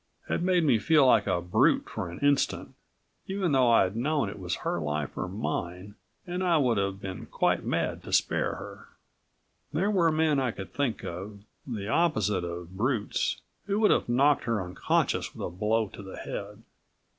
had made me feel like a brute for an instant, even though I'd known it was her life or mine and I would have been quite mad to spare her. There were men I could think of, the opposite of brutes, who would have knocked her unconscious with a blow to the head.